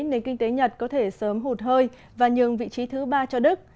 nền kinh tế nhật có thể sớm hụt hơi và nhường vị trí thứ ba cho đức